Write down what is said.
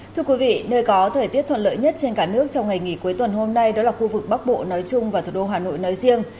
thưa quý vị nơi có thời tiết thuận lợi nhất trên cả nước trong ngày nghỉ cuối tuần hôm nay đó là khu vực bắc bộ nói chung và thủ đô hà nội nói riêng